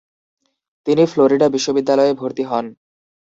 তিনি ফ্লোরিডা বিশ্ববিদ্যালয়ে ভর্তি হন।